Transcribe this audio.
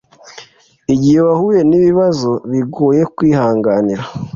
igihe wahuye n’ibibazo bigoye kwihanganira